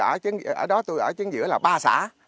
ở đó tôi ở chân giữa là ba xã